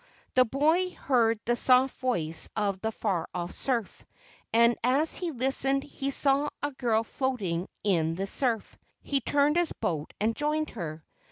The boy heard the soft voice of the far off surf, and as he listened he saw a girl floating in the surf. He turned his boat and joined her.